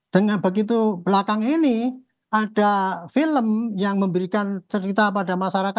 dengan begitu belakang ini ada film yang memberikan cerita pada masyarakat